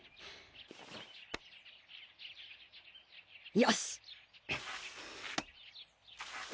よし。